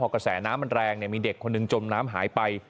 กระแสน้ำมันแรงมีเด็กคนหนึ่งจมน้ำหายไป